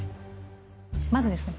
まずですね